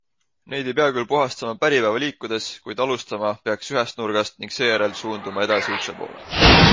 Neid ei pea küll puhastama päripäeva liikudes, kuid alustama peaks ühest nurgast ning seejärel suunduma edasi ukse poole.